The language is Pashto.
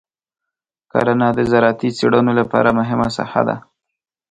کرنه د زراعتي څېړنو لپاره مهمه ساحه ده.